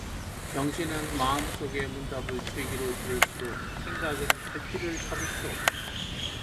영신은 마음속의 문답을 제 귀로 들을수록 생각은 갈피를 잡을 수 없다.